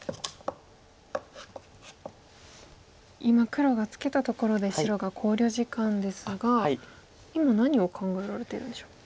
今黒がツケたところで白が考慮時間ですが今何を考えられているんでしょう。